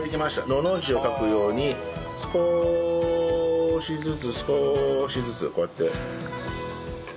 のの字を書くように少しずつ少しずつこうやって。